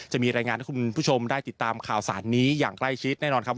จะมีรายงานให้คุณผู้ชมได้ติดตามข่าวสารนี้อย่างใกล้ชิดแน่นอนครับ